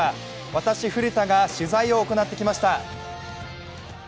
私、古田が取材を行ってきました。